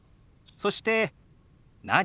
そして「何？」。